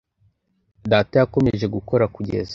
data yakomeje gukora kugeza